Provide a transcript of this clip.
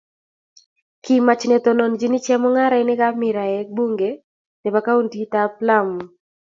kimach netononchini chemung'rainikab miraek bunge nebo kauntikab Lamu